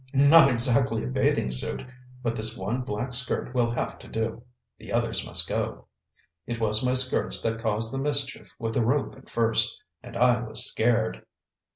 "Not exactly a bathing suit, but this one black skirt will have to do. The others must go. It was my skirts that caused the mischief with the rope at first. And I was scared!"